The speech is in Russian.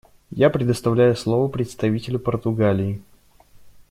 Я предоставляю слово представителю Португалии.